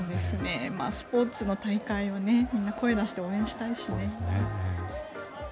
スポーツの大会はみんな声出して応援したいしね。